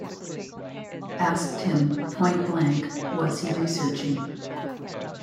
Asked him, point-blank, was he researching.